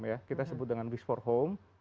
ya kita sebut dengan wish for home